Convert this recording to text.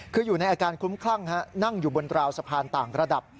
คืออยู่ในอาการคุ้มคลั่งนั่งอยู่บนราวสะพานต่างระดับ